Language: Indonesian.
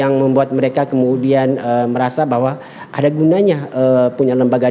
yang membuat mereka kemudian merasa bahwa ada gunanya punya lembaga